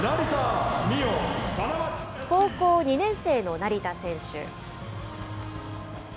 高校２年生の成田選手。